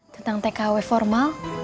tentang tkw formal